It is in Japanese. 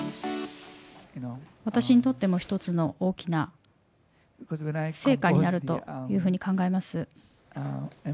私にとっても一つの大きな成果になるというふうに考えます。